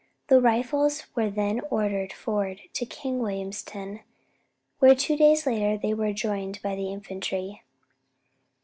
The rifles were then ordered forward to King Williamstown, where two days later they were joined by the infantry.